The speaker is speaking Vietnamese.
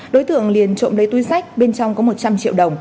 đối tượng liền trộm lấy túi sách bên trong có một trăm linh triệu đồng